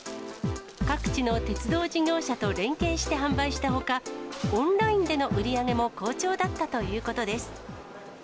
各地の鉄道事業者と連携して販売したほか、オンラインでの売り上げも好調だったということです。